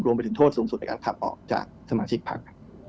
รวมไปถึงโทษสูงสุดในการขับออกจากสมาชิกพัก